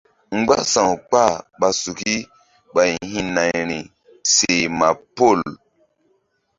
Mgbása̧w kpah ɓa suki ɓay hi̧nayri seh ma pol.